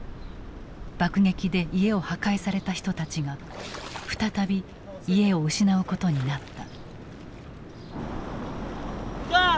爆撃で家を破壊された人たちが再び家を失うことになった。